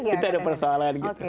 itu ada persoalan gitu